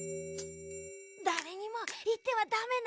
だれにもいってはダメなのだ。